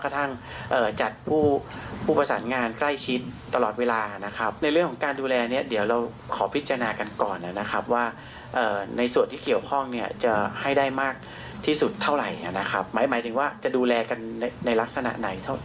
ที่สุดเท่าไหร่นะครับหมายถึงว่าจะดูแลกันในลักษณะไหน